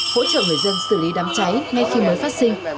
hỗ trợ người dân xử lý đám cháy ngay khi mới phát sinh